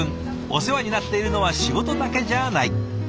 お世話になっているのは仕事だけじゃない。